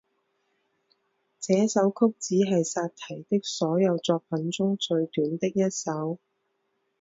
这首曲子是萨提的所有作品中最短的一首。